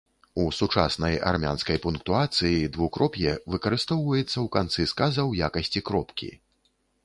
У сучаснай армянскай пунктуацыі двукроп'е выкарыстоўваецца ў канцы сказа ў якасці кропкі.